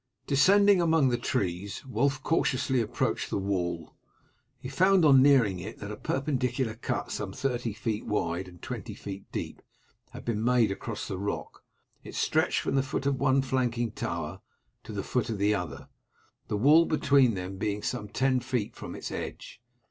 Descending among the trees Wulf cautiously approached the wall. He found on nearing it that a perpendicular cut some thirty feet wide and twenty feet deep had been made across the rock. It stretched from the foot of one flanking tower to the foot of the other, the wall between them being some ten feet from its edge.